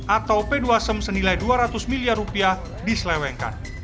atau p dua sem senilai dua ratus miliar rupiah diselewengkan